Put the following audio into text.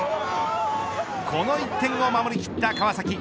この１点を守り切った川崎。